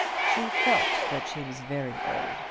She felt that she was very old.